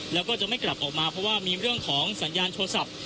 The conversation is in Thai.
แล้วก็จะไม่กลับออกมาเพราะว่ามีเรื่องของสัญญาณโทรศัพท์